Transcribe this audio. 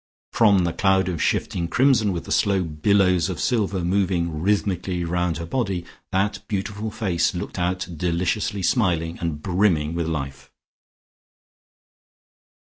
From the cloud of shifting crimson, with the slow billows of silver moving rhythmically round her body, that beautiful face looked out deliciously smiling and brimming with life....